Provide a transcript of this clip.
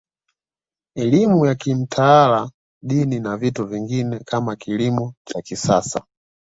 Elimu ya kimtaala Dini na vitu vingine kama kilimo cha kisasa